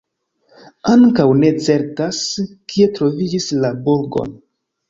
Ankaŭ ne certas, kie troviĝis la burgon.